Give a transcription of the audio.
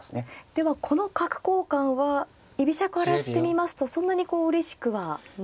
ではこの角交換は居飛車からしてみますとそんなにこううれしくはないんですか。